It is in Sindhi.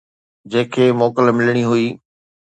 جنهن کي موڪل ملڻي هئي.